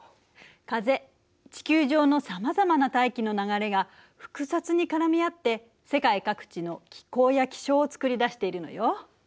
風地球上のさまざまな大気の流れが複雑に絡み合って世界各地の気候や気象を作り出しているのよ。